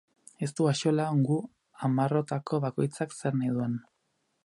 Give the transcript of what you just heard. Ez du axola gu hamarrotako bakoitzak zer nahi duen.